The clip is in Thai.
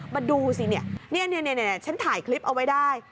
มาดูสิเนี่ยฉันถ่ายคลิปเอาไว้ได้